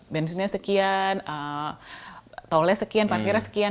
bensinnya sekian tolnya sekian parkirnya sekian